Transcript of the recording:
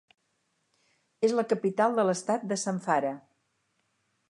És la capital de l'estat de Zamfara.